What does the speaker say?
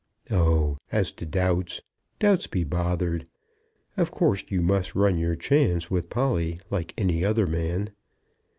"Oh, as to doubts, doubts be bothered. Of course you must run your chance with Polly like any other man."